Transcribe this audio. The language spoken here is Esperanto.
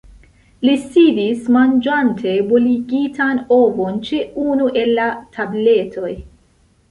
Li sidis manĝante boligitan ovon ĉe unu el la tabletoj.